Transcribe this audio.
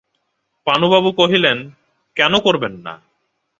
পানুবাবু কহিলেন, কেন করবেন না?